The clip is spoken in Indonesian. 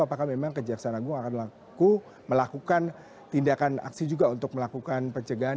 apakah memang kejaksaan agung akan melakukan tindakan aksi juga untuk melakukan pencegahan